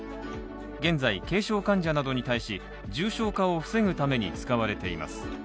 現在、軽症患者などに対し、重症化を防ぐために使われています。